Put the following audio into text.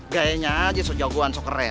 gayanya aja jagoan so keren